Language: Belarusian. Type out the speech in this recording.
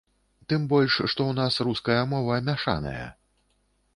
Тым больш, што ў нас руская мова мяшаная.